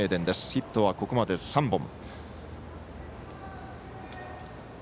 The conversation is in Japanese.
ヒットはここまで３本。